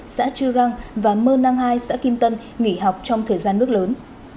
xã chư răng và mơ năng hai xã kim tân nghỉ học trong thời gian nước lớn